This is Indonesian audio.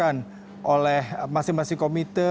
yang dilakukan oleh masing masing komite